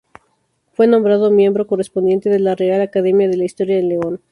Fue nombrado miembro correspondiente de la Real Academia de la Historia en León.